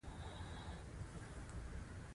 امیر حمزه په دې کې شامل و.